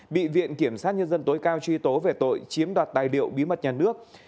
bị viện kiểm sát nhân dân tối cao truy tố về tội chiếm đoạt tài liệu bí mật nhà nước